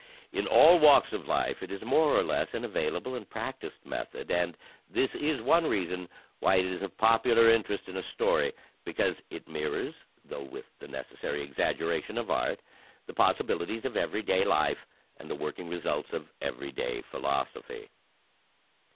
In all walks of life it is more or less an available and practised method, and this is one reason why it is of popular interest in a story, because it mirrors, though with the necessary exaggeration of art, the possibilities of every day life and the working results of every day philosophy.